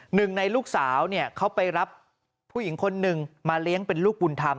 หนึ่งในลูกสาวเขาไปรับผู้หญิงคนหนึ่งมาเลี้ยงเป็นลูกบุญธรรม